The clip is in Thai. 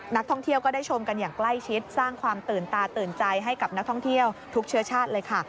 นักท่องเที่ยวก็ได้ชมกันอย่างใกล้ชิดสร้างความตื่นตาตื่นใจให้กับนักท่องเที่ยวทุกเชื้อชาติเลยค่ะ